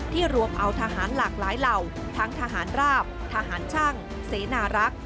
รวมเอาทหารหลากหลายเหล่าทั้งทหารราบทหารช่างเสนารักษ์